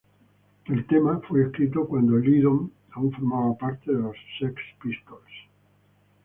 El tema fue escrita cuando Lydon aún formaba parte de los Sex Pistols.